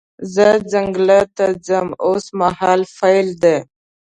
زه ځنګل ته ځم اوس مهال فعل دی.